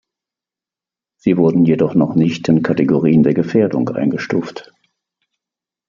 Sie wurden jedoch noch nicht in Kategorien der Gefährdung eingestuft.